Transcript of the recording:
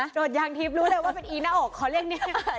ดดยางทิศรู้เลยว่าเป็นอีหน้าอกเขาเรียกแบบไง